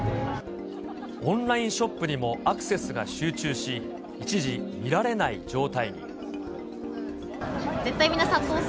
オンラインショップにもアクセスが集中し、一時、見られない状態に。ね。